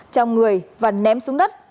trao người và ném xuống đất